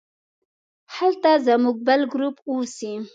هلته زموږ بل ګروپ اوسي.